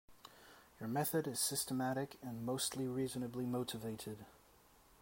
Your method is systematic and mostly reasonably motivated.